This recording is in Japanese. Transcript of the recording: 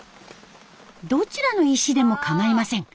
どちらの石でもかまいません。